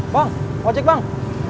bang mau ojek bang